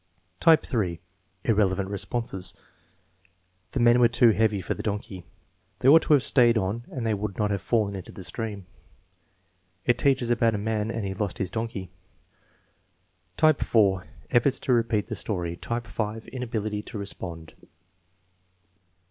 Type (3), irrelevant responses: "The men were too heavy for the donkey." "They ought to have stayed on and they would not have fallen into the stream." "It teaches about a man and he lost his donkey." Type (4), efforts to repeat the story. Type (5), inability to respond.